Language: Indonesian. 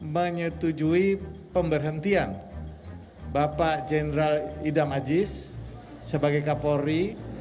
menyetujui pemberhentian bapak jenderal idam aziz sebagai kapolri